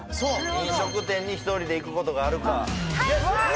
飲食店に１人で行くことがあるかはい！